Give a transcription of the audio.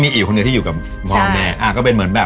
อีกคนเดียวอยู่กับพ่อแม่